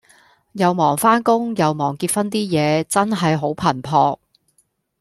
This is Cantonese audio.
又忙返工又忙結婚 D 野，真係好頻撲